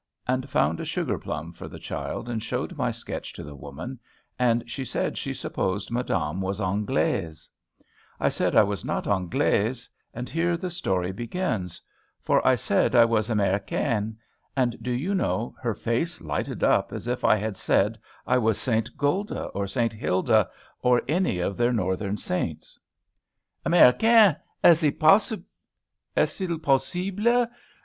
and found a sugar plum for the child and showed my sketch to the woman; and she said she supposed madame was Anglaise. I said I was not Anglaise, and here the story begins; for I said I was Americaine. And, do you know, her face lighted up as if I had said I was St. Gulda, or St. Hilda, or any of their Northmen Saints. "Americaine! est il possible?